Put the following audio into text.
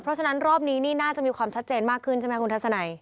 เพราะฉะนั้นรอบนี้นี่น่าจะมีความชัดเจนมากขึ้นใช่ไหมคุณทัศนัย